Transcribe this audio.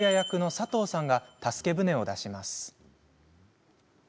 今度は、母親役の佐藤さんが助け船を出します。